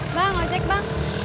bang mau cek bang